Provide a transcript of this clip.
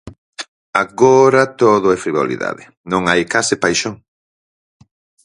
Agora todo é frivolidade, non hai case paixón.